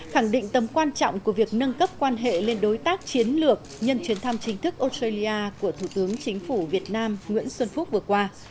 khẳng định tầm quan trọng của việc nâng cấp quan hệ lên đối tác chiến lược nhân chuyến thăm chính thức australia của thủ tướng chính phủ việt nam nguyễn xuân phúc vừa qua